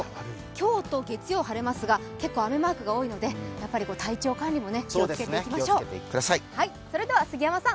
今日と月曜晴れますが結構、雨マークが多いので、体調管理、気をつけていきましょう。